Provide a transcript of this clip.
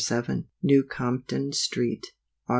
7, New Compton street, Aug.